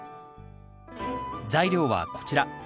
材料はこちら。